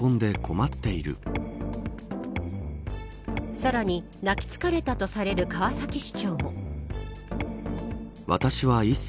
さらに、泣きつかれたとされる川崎市長も。